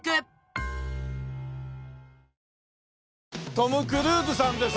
トム・クルーズさんです。